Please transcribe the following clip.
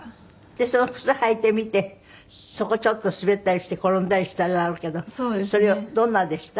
その靴履いてみてそこちょっと滑ったりして転んだりしたりはあるけどそれをどんなでした？